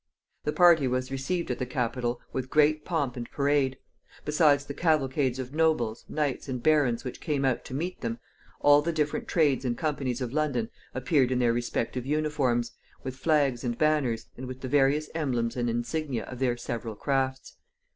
The party was received at the capital with great pomp and parade. Besides the cavalcades of nobles, knights, and barons which came out to meet them, all the different trades and companies of London appeared in their respective uniforms, with flags and banners, and with the various emblems and insignia of their several crafts.